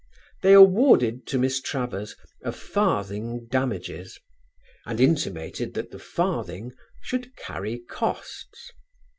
They awarded to Miss Travers a farthing damages and intimated that the farthing should carry costs.